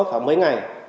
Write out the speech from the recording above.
phải mấy ngày